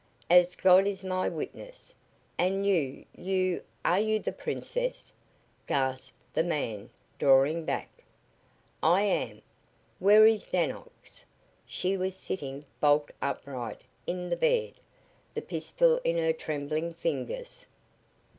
"As God is my witness! And you you are you the Princess?" gasped the man, drawing back. "I am. Where is Dannox?" She was sitting bolt upright in the bed, the pistol in her trembling fingers.